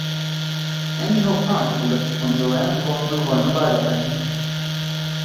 Aynhoe Park hat jedoch die von Soane entworfenen Räume beibehalten.